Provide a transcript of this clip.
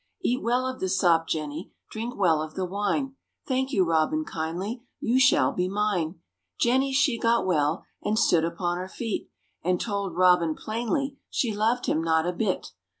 Eat well of the sop, Jenny, Drink well of the wine; Thank you Robin kindly, You shall be mine. Jenny she got well, And stood upon her feet, And told Robin plainly She loved him not a bit.